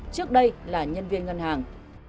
trước đây là nhân viên ngân hàng